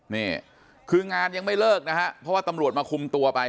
นี่คืองานยังไม่เลิกนะฮะเพราะว่าตำรวจมาคุมตัวไป